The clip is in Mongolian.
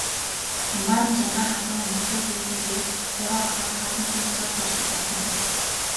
Амбаар нь зундаа халуун, өвөлдөө хүйтний дээр бороо орохоор таазнаас нь дусаал гоождог зовлонтой.